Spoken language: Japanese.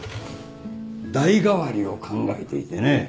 代替わりを考えていてね。